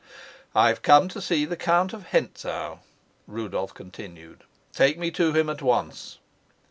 "I've come to see the Count of Hentzau," Rudolf continued. "Take me to him at once."